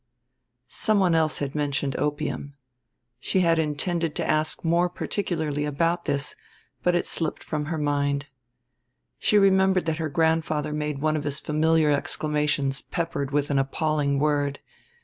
Some one else had mentioned opium. She had intended to ask more particularly about this, but it slipped from her mind. She remembered that her grandfather made one of his familiar exclamations peppered with an appalling word.